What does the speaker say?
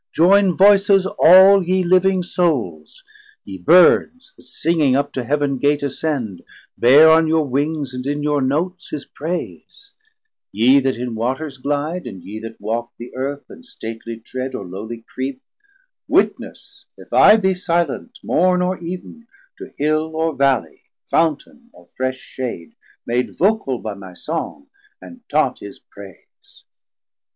Joyn voices all ye living Souls, ye Birds, That singing up to Heaven Gate ascend, Bear on your wings and in your notes his praise; Yee that in Waters glide, and yee that walk 200 The Earth, and stately tread, or lowly creep; Witness if I be silent, Morn or Eeven, To Hill, or Valley, Fountain, or fresh shade Made vocal by my Song, and taught his praise.